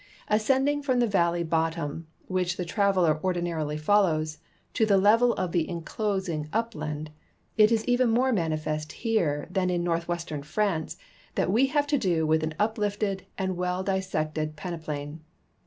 Ascending from the valley bot tom, which the traveler ordinarily follows, to the level of the inclosing upland, it is even more manifest here than in north western France that we have to do with an uplifted and well dissected peneplain.